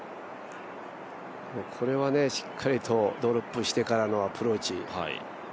これはしっかりと、ドロップしてからのアプローチ。